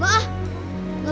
ya aku mau